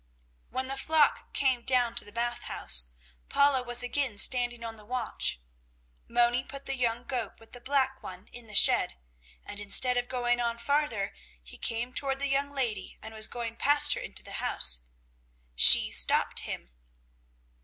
When the flock came down to the Bath House, Paula was again standing on the watch. Moni put the young goat with the black one in the shed, and instead of going on farther, he came toward the young lady and was going past her into the house. She stopped him.